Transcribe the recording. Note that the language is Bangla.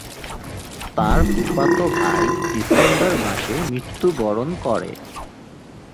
তার ফুফাতো ভাই ডিসেম্বর মাসে মৃত্যুবরণ করে।